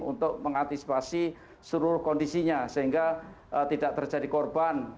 untuk mengantisipasi seluruh kondisinya sehingga tidak terjadi korban